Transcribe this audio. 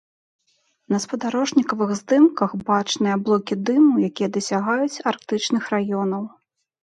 На спадарожнікавых здымках бачныя аблокі дыму, якія дасягаюць арктычных раёнаў.